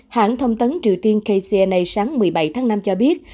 hãng thông tấn triều tiên kcna sáng một mươi bảy tháng năm cho biết